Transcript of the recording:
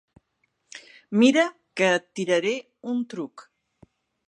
Mira, que et tiraré un truc.